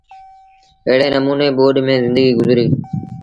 ايڙي نموٚني ٻوڏ ميݩ زندگيٚ گزريٚ۔